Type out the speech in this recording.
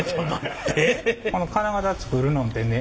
この金型作るのんてね